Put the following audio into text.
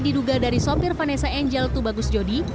diduga dari sopir vanessa angel tu bagus jodi